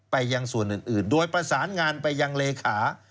ไปยังส่วนอื่นโดยประสานงานไปยังเลขา